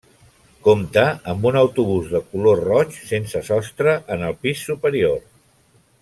Compta amb un autobús de color roig sense sostre en el pis superior.